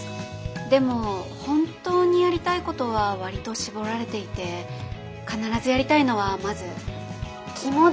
でも本当にやりたいことは割と絞られていて必ずやりたいのはまず肝試しと。